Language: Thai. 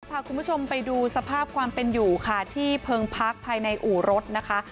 พาคุณผู้ชมไปดูสภาพความเป็นอยู่ค่ะที่เพิงพักภายในอู่รถนะคะ